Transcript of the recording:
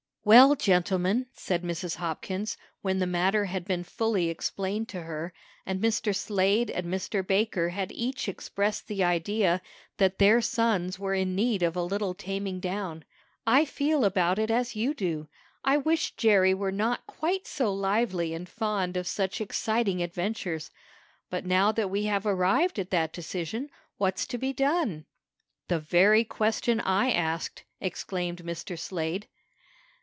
"Well, gentlemen," said Mrs. Hopkins, when the matter had been fully explained to her, and Mr. Slade and Mr. Baker had each expressed the idea that their sons were in need of a little taming down, "I feel about it as you do. I wish Jerry were not quite so lively and fond of such exciting adventures. But now we have arrived at that decision, what's to be done?" "The very question I asked!" exclaimed Mr. Slade.